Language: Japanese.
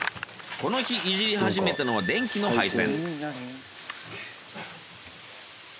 この日いじりはじめたのは電気の配線。